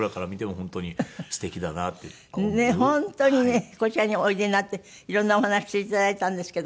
本当にねこちらにおいでになって色んなお話して頂いたんですけど。